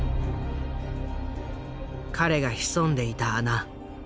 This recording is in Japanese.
彼が潜んでいた穴。